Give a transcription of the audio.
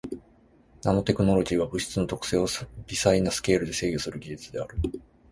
ナノテクノロジーは物質の特性を微細なスケールで制御する技術である。